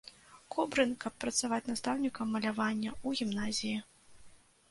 Кобрын, каб працаваць настаўнікам малявання ў гімназіі.